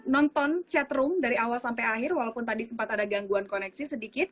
nonton chatroom dari awal sampai akhir walaupun tadi sempat berbicara